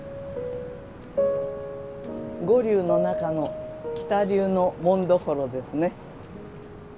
五流の中の喜多流の紋所ですね。